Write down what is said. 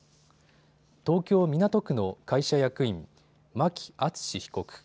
東京港区の会社役員、牧厚被告。